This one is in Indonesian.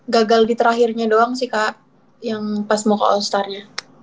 gagal di terakhirnya doang sih kak yang pas mau ke all starnya